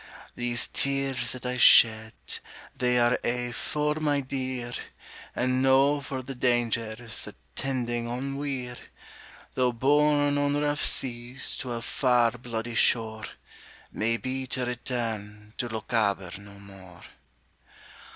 These tears that I shed they are a' for my dear, And no for the dangers attending on wear, Though borne on rough seas to a far bloody shore, Maybe to return to Lochaber no more.